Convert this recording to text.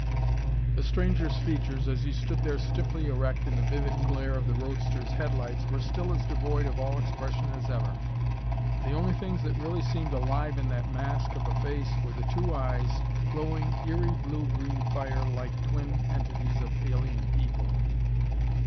The stranger's features as he stood there stiffly erect in the vivid glare of the roadster's headlights were still as devoid of all expression as ever. The only things that really seemed alive in that masque of a face were the two eyes, glowing eery blue green fire like twin entities of alien evil.